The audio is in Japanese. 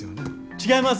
違います！